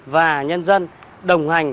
và nhân dân đồng hành